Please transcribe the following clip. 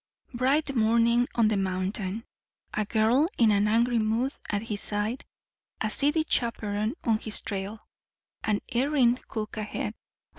Bright morning on the mountain, a girl in an angry mood at his side, a seedy chaperon on his trail, an erring cook ahead.